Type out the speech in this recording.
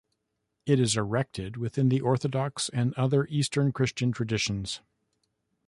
It is erected within the Orthodox and other Eastern Christian traditions.